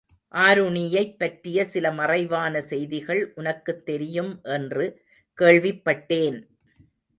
ஆருணியைப் பற்றிய சில மறைவான செய்திகள் உனக்குத் தெரியும் என்று கேள்விப் பட்டேன்!